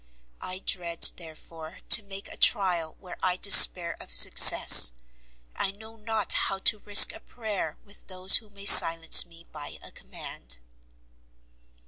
I dread, therefore, to make a trial where I despair of success, I know not how to risk a prayer with those who may silence me by a command.